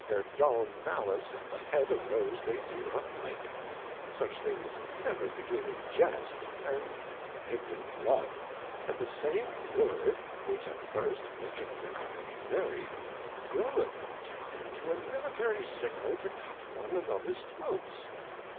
their dull malice at the Head of those they do not like ; such things ever begin in Jest, and end in Blood, and the same word which at first maketh the Company merry, groweth in time to a Military Signal to cut one anothers Throats.